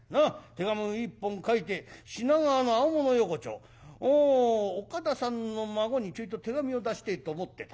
手紙を一本書いて品川の青物横丁岡田さんの孫にちょいと手紙を出してえと思ってた。